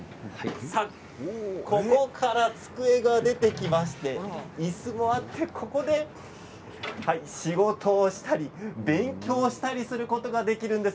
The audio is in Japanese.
ここから机が出てきましていすもあってここで仕事をしたり、勉強したりすることができるんです。